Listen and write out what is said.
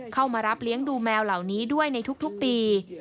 เข้ามารับเลี้ยงดูแมวเหล่านี้ด้วยในทุกปี